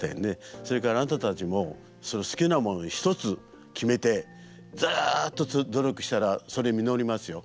それからあなたたちも好きなもの一つ決めてずっと努力したらそれ実りますよ。